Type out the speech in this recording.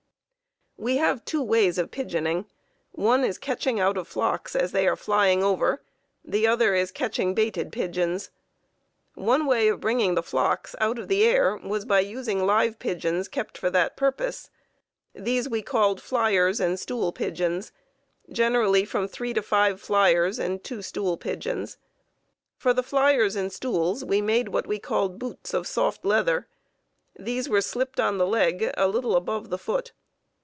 We have two ways of pigeoning. One is catching out of flocks as they are flying over; the other is catching baited pigeons. One way of bringing the flocks out of the air was by using live pigeons kept for that purpose. These we called "fliers" and "stool pigeons;" generally from three to five fliers and two stool pigeons. For the "fliers" and "stools" we made what we called "boots" of soft leather. These were slipped on the leg a little above the foot.